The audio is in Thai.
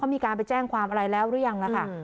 มีการไปแจ้งความอะไรแล้วหรือยังนะคะ